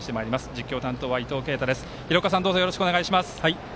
実況担当は伊藤慶太です。